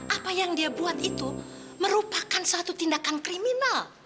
apa yang dia buat itu merupakan satu tindakan kriminal